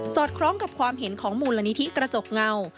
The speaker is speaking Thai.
อดคล้องกับความเห็นของมูลนิธิกระจกเงา